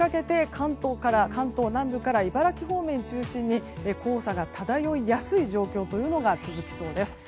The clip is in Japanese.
明日夜にかけて関東南部から茨城方面中心に黄砂が漂いやすい状況というのが続きそうです。